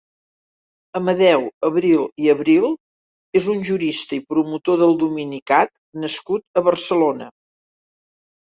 Amadeu Abril i Abril és un jurista i promotor del domini cat nascut a Barcelona.